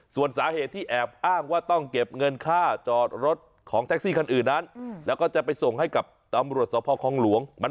ส่วนสาเหตุที่แอบอ้างว่าต้องเก็บเงินค่าจอดรถของแท็กซี่กันอื่นนั้น